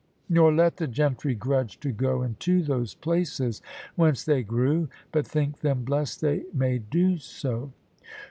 Nor let the gentry grudge to go Into those places whence they grew, But think them blest they may do so.